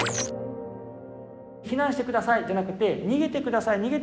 「避難してください」じゃなくて「にげてください。